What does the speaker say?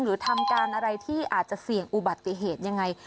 หรือทำการอะไรที่อาจจะเสี่ยงอุบัติเหตุยังไง